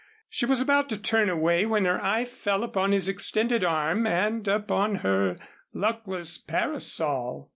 She was about to turn away when her eye fell upon his extended arm and upon her luckless parasol.